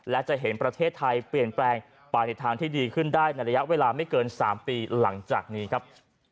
และจะเห็นประเทศไทยเปลี่ยนแปลงไปในทางที่ดีขึ้นได้ในระยะเวลาไม่เกิน๓ปีหลังจากนี้ครับ